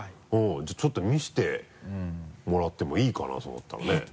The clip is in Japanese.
じゃあちょっと見せてもらってもいいかな？それだったらね。